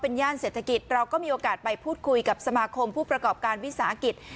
ย่านเศรษฐกิจเราก็มีโอกาสไปพูดคุยกับสมาคมผู้ประกอบการวิสาหกิจ